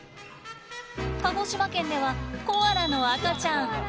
鹿児島県ではコアラの赤ちゃん。